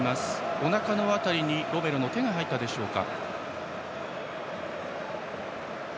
おなかの辺りにロメロの手が入ったでしょうか。